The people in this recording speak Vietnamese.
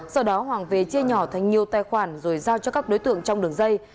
sau đó hoàng về chia nhỏ thành nhiều tài khoản rồi giao cho các đối tượng trong đường dây